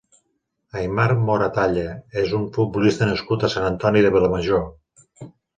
Aimar Moratalla és un futbolista nascut a Sant Antoni de Vilamajor.